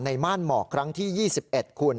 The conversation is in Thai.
ม่านหมอกครั้งที่๒๑คุณ